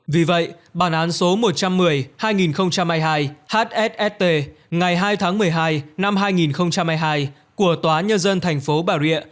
vì vậy bản án số một trăm một mươi hai nghìn hai mươi hai hsst ngày hai tháng một mươi hai năm hai nghìn hai mươi hai của tòa nhân dân thành phố bà rịa